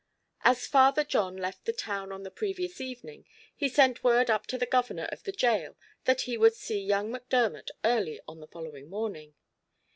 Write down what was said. As Father John left the town on the previous evening, he sent word up to the governor of the gaol that he would see young Macdermot early on the following morning.